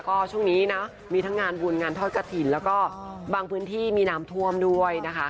ก็ช่วงนี้นะมีทั้งงานบุญงานทอดกระถิ่นแล้วก็บางพื้นที่มีน้ำท่วมด้วยนะคะ